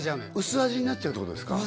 薄味になっちゃうってことですか？